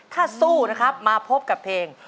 ถ้าสู้นะครับมาพบกับเพลง